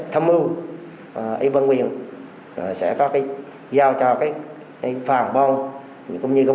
thâm mưu y văn quyền sẽ giao cho phòng công an